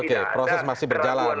oke proses masih berjalan